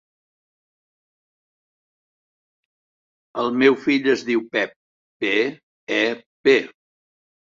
El meu fill es diu Pep: pe, e, pe.